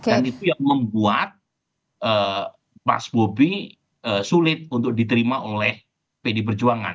dan itu yang membuat mas bobi sulit untuk diterima oleh pdip perjuangan